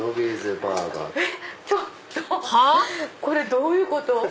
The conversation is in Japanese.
これどういうこと？